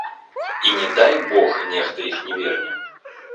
І, не дай бог, нехта іх не верне.